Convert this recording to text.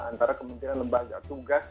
antara kementerian lembaga tugas